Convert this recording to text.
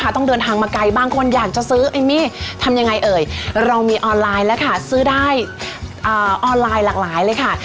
ทำยังไงเอ๋ยเรามีออนไลน์ค่ะซื้อได้ออนไลน์หลากหลายเลยค่ะ